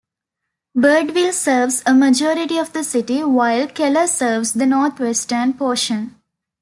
Birdville serves a majority of the city, while Keller serves the northwestern portion.